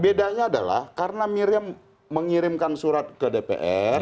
bedanya adalah karena miriam mengirimkan surat ke dpr